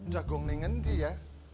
jagung ini nanti ya